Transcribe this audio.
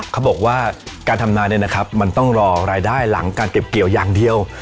เขาบอกว่าการทำนาเนี่ยนะครับมันต้องรอรายได้หลังการเก็บเกี่ยวอย่างเดียว